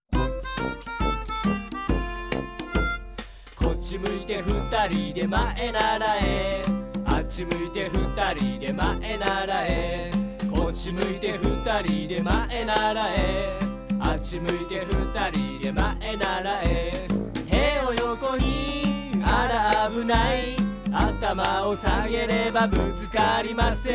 「こっちむいてふたりでまえならえ」「あっちむいてふたりでまえならえ」「こっちむいてふたりでまえならえ」「あっちむいてふたりでまえならえ」「てをよこにあらあぶない」「あたまをさげればぶつかりません」